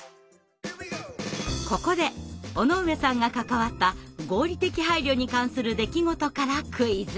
ここで尾上さんが関わった合理的配慮に関する出来事からクイズ。